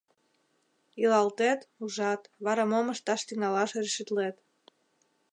— Илалтет, ужат, вара мом ышташ тӱҥалаш решитлет.